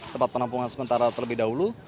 tempat penampungan sementara terlebih dahulu